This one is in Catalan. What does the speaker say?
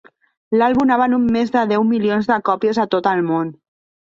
L'àlbum ha venut més de deu milions de còpies a tot el món.